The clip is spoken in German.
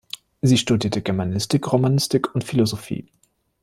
Sie studierte Germanistik, Romanistik und Philosophie.